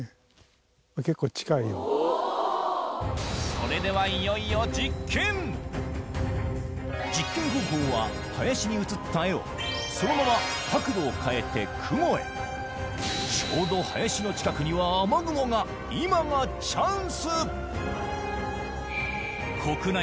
それでは実験方法は林に映った絵をそのまま角度を変えて雲へちょうど林の近くには雨雲がいざ・川島さーん！